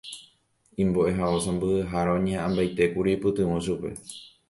Imbo'ehao sãmbyhyhára oñeha'ãmbaitékuri oipytyvõ chupe.